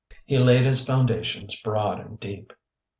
He laid his foundations broad and deep.